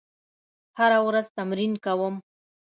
هره ورځ تمرین کوم.